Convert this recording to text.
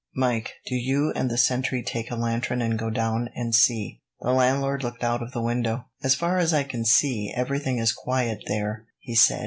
"Mike, do you and the sentry take a lantern and go down and see." The landlord looked out of the window. "As far as I can see, everything is quiet there," he said.